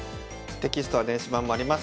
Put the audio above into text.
テキストは電子版もあります。